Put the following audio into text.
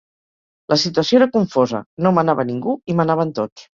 La situació era confosa, no manava ningú i manaven tots.